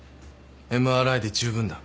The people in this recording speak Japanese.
ＭＲＩで十分だ。